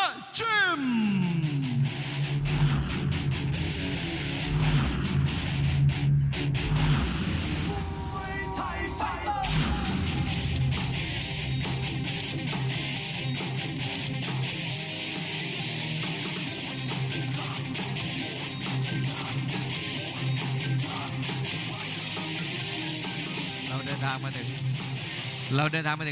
นักชกในมุมแดงของผมชายมาดูแลร้าสภาษี